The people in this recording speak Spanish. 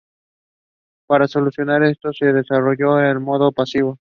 Para solucionar esto se desarrolló el modo "pasivo".